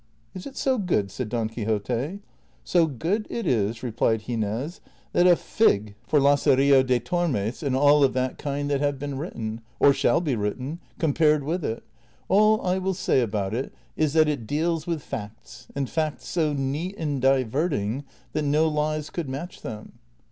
" Is it so good ?" said Don Quixote. " So good is it," replied Gines, " that a fig for ' Lazarillo de ' Prov. 7'J. 164 DON QUIXOTE. Tormes/ and all of that kind that have been written,^ or shall be written, compared with it ; all I will say about it is that it deals with facts, and facts so neat and diverting that no lies could match them."